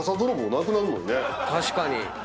確かに。